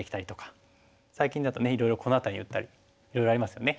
最近だとねいろいろこの辺りに打ったりいろいろありますよね。